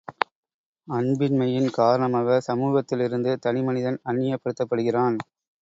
அன்பின்மையின் காரணமாக சமூகத்திலிருந்து தனி மனிதன் அந்நியப் படுத்தப்படுகிறான்.